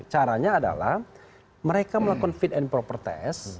caranya adalah mereka melakukan fit and proper test